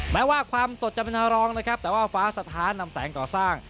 แม้ว่าความสดจะเป็นทางรองนะครับแต่ว่าฟ้าสถานนำแสงก่อสร้าง